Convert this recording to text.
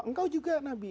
engkau juga nabi